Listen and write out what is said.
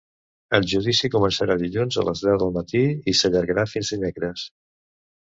El judici començarà dilluns a les deu del matí i s’allargarà fins dimecres.